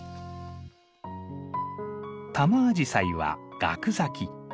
タマアジサイはガク咲き。